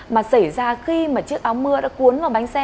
mà xảy ra khi mà chiếc áo mưa đã cuốn vào bánh xe